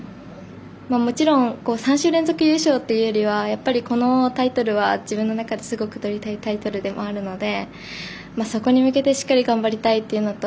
もちろん３週連続優勝というよりはやっぱりこのタイトルは自分の中ですごくとりたいタイトルでもあるので、そこに向けてしっかり頑張りたいというのと。